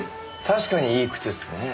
確かにいい靴ですね。